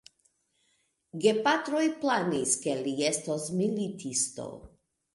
Gepatroj planis, ke li estos militisto.